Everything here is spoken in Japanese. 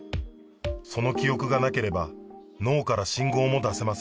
その記憶がなければ脳から信号も出せま